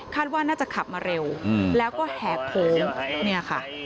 ว่าน่าจะขับมาเร็วแล้วก็แหกโค้งเนี่ยค่ะ